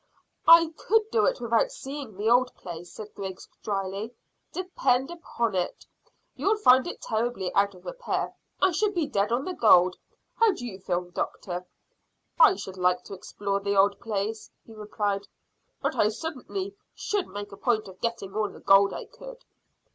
"I could do without seeing the old place," said Griggs dryly. "Depend upon it, you'd find it terribly out of repair. I should be dead on the gold. How do you feel, doctor?" "I should like to explore the old place," he replied, "but I certainly should make a point of getting all the gold I could."